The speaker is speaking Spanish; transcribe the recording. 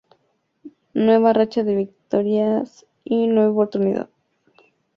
Nueva racha de victorias y nueva oportunidad para conquistar un título, el europeo.